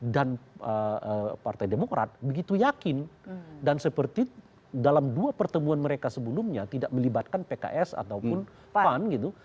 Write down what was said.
dan partai demokrat begitu yakin dan seperti dalam dua pertemuan mereka sebelumnya tidak melibatkan pks ataupun pan gitu